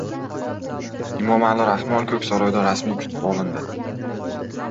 Emomali Rahmon Ko‘ksaroyda rasmiy kutib olindi